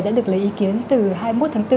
đã được lấy ý kiến từ hai mươi một tháng bốn